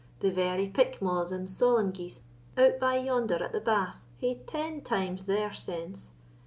The very pickmaws and solan geese out bye yonder at the Bass hae ten times their sense!